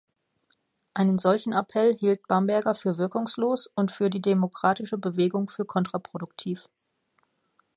Einen solchen Appell hielt Bamberger für wirkungslos und für die demokratische Bewegung für kontraproduktiv.